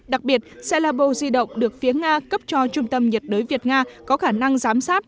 đặc biệt xe labo di động được phía nga cấp cho trung tâm nhiệt đới việt nga có khả năng giám sát